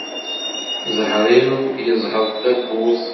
Ẓẓher-iw yeẓheḍ tabburt.